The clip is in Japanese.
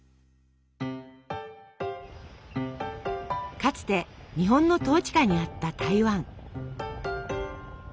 かつて日本の統治下にあった台湾。